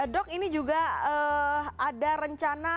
dok ini juga ada rencana